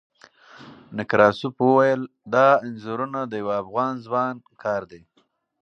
نکراسوف وویل، دا انځورونه د یوه افغان ځوان کار دی.